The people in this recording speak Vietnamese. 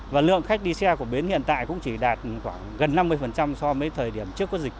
và lượng khách đi xe của bến hiện tại cũng chỉ đạt khoảng gần năm mươi so với thời điểm trước có dịch